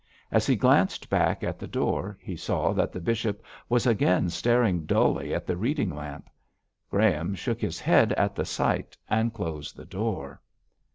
As he glanced back at the door he saw that the bishop was again staring dully at the reading lamp. Graham shook his head at the sight, and closed the door.